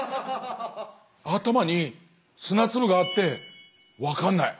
頭に砂粒があってわかんない。